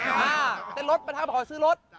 อ้าวเต็ดรถก็ทักมาขอซื้อรถ